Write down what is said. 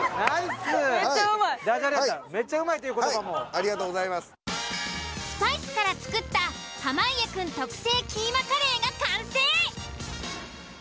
スパイスから作った濱家くん特製キーマカレーが完成。